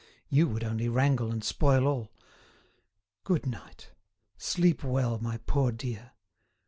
You would only wrangle and spoil all. Good night; sleep well, my poor dear.